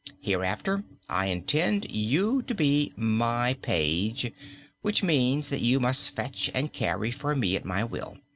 Hereafter I intend you to be my page, which means that you must fetch and carry for me at my will.